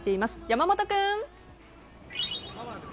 山本君。